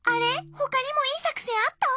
ほかにもいいさくせんあった？